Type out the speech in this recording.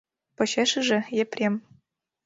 Почешыже — Епрем.